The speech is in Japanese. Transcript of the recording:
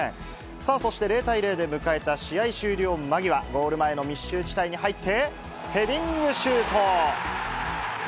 さあ、そして０対０で迎えた試合終了間際、ゴール前の密集地帯に入って、ヘディングシュート。